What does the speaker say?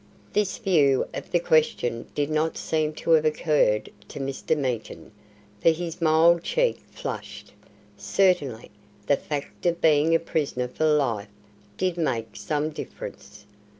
This view of the question did not seem to have occurred to Mr. Meekin, for his mild cheek flushed. Certainly, the fact of being a prisoner for life did make some difference.